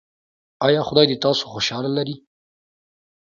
ایا خدای دې تاسو خوشحاله لري؟